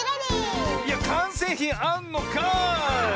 いやかんせいひんあんのかい！